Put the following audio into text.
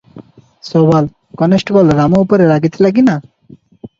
ସୱାଲ - constable Rama ଉପରେ ରାଗିଥିଲା କି ନା?